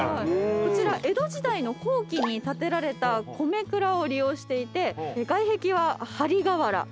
こちら江戸時代の後期に建てられた米蔵を利用していて外壁は張り瓦。